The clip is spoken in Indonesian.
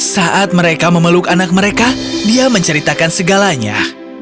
saat mereka memeluk anak mereka dia menceritakan segalanya